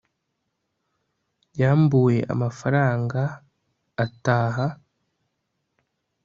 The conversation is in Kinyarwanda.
yambuwe amafaranga ataha